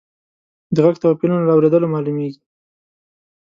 د غږ توپیرونه له اورېدلو معلومیږي.